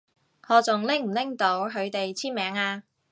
我仲拎唔拎到佢哋簽名啊？